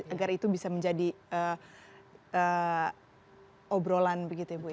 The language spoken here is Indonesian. agar itu bisa menjadi obrolan begitu ya bu ya